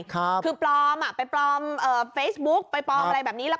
คือปลอมอ่ะไปปลอมเฟซบุ๊กไปปลอมอะไรแบบนี้แล้ว